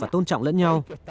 và tôn trọng với lẫn nhau